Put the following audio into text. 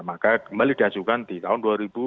maka kembali diajukan di tahun dua ribu dua puluh